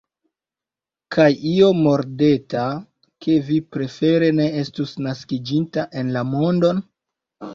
Kaj io mordetas, ke vi prefere ne estus naskiĝinta en la mondon?